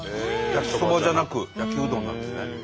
焼きそばじゃなく焼うどんなんですね。